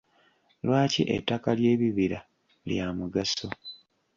Lwaki ettaka ly'ebibira lya mugaso?